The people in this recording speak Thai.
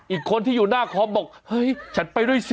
อีกคนที่อยู่หน้าคอมบอกเฮ้ยฉันไปด้วยสิ